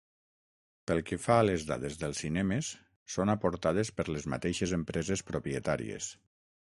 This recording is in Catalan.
Pel que fa a les dades dels cinemes, són aportades per les mateixes empreses propietàries.